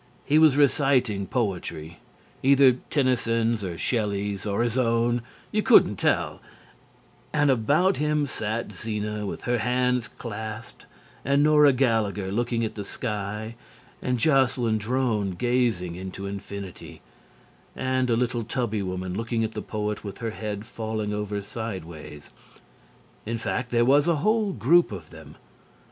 He was reciting poetry either Tennyson's or Shelley's, or his own, you couldn't tell and about him sat Zena with her hands clasped and Nora Gallagher looking at the sky and Jocelyn Drone gazing into infinity, and a little tubby woman looking at the poet with her head falling over sideways in fact, there was a whole group of them.